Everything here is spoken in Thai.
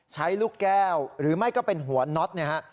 ลูกแก้วหรือไม่ก็เป็นหัวน็อตเนี่ยฮะ